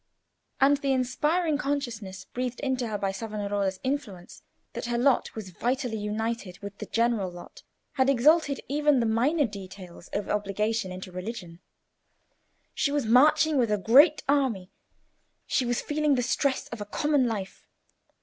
And the inspiring consciousness breathed into her by Savonarola's influence that her lot was vitally united with the general lot had exalted even the minor details of obligation into religion. She was marching with a great army; she was feeling the stress of a common life.